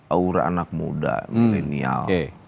aura anak muda milenial